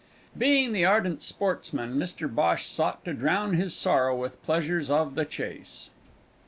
Being the ardent sportsman, Mr Bhosh sought to drown his sorrow with pleasures of the chase.